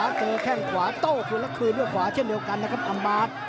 ขวาเกินแค่งขวาโต้คืนและคืนด้วยขวาเช่นเดียวกันนะครับอำบาด